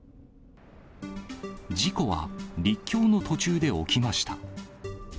事故は、陸橋の途中で起きました。